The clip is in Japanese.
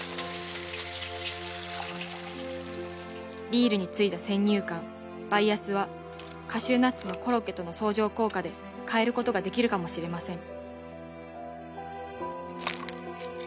「ビールについた先入観バイアスはカシューナッツのコロッケとの相乗効果で変えることができるもしれません」